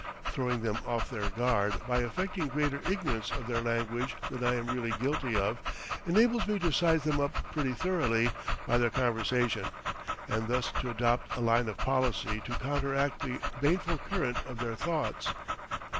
Throwing them off their guard, by affecting greater ignorance of their language than I am really guilty of, enables me to size them up pretty thoroughly by their conversation, and thus to adopt a line of policy to counteract the baneful current of their thoughts.